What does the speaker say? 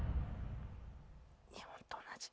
日本と同じ！